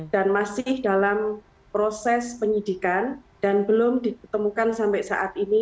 dan masih dalam proses penyidikan dan belum ditemukan sampai saat ini